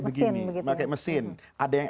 begini pakai mesin ada yang